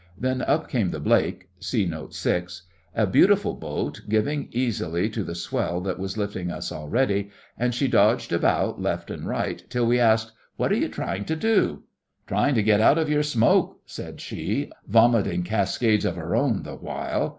Then up came the Blake (see Note VI.), a beautiful boat, giving easily to the swell that was lifting us already, and she dodged about left and right till we asked: 'What are you trying to do?' 'Trying to get out of your smoke,' said she, vomiting cascades of her own the while.